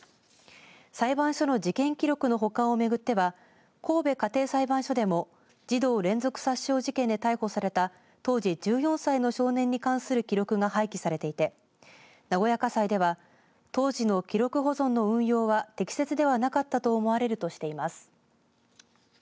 裁判所の事件記録の保管を巡っては神戸家庭裁判所でも児童連続殺傷事件で逮捕された当時１４歳の少年に関する記録が廃棄されていて、名古屋家裁では当時の記録保存の運用は適切ではなかったと思われるとしています。